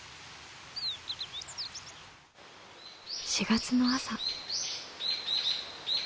４月の朝。